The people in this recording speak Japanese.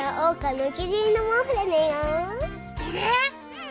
うん。